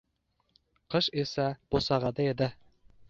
Qish esa, bo‘sag‘ada edi.